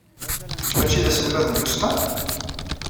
Kečč maci d aselmad n tussna?